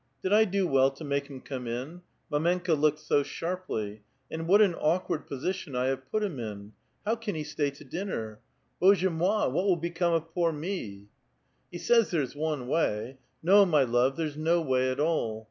'' Did I do well to make him come in? Mdmenka looked so sharply ! And what an awkard position I have put him in ! How can he stay to dinner? Bozhe mot! what will be come of poor me ?"• lie says there's one way. No, my love, there's no way at all.